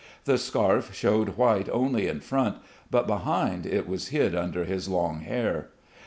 The scarf showed white only in front, but behind it was hid under his long hair.